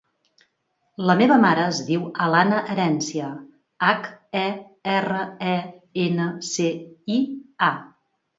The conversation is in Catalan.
La meva mare es diu Alana Herencia: hac, e, erra, e, ena, ce, i, a.